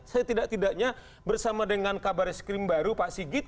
saya tidak tidaknya bersama dengan kabar skrim baru pak sigit